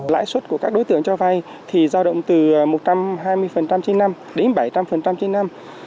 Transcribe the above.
lãi suất của các đối tượng cho vay thì giao động từ một trăm hai mươi trên năm đến bảy trăm linh trên năm